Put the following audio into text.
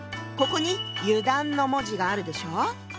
ここに「油断」の文字があるでしょう？